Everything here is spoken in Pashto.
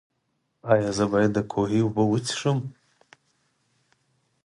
ایا زه باید د کوهي اوبه وڅښم؟